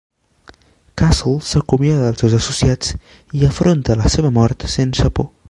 Castle s'acomiada dels seus associats i afronta la seva mort sense por.